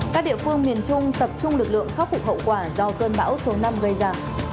các địa phương miền trung tập trung lực lượng khắc phục hậu quả do cơn bão số năm gây ra